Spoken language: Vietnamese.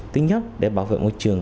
thứ nhất để bảo vệ môi trường